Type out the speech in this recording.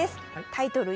タイトル